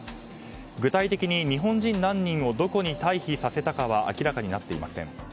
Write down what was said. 具体的に日本人何人をどこに退避させたかは明らかになっていません。